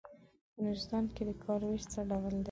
په نورستان کې د کار وېش څه ډول دی.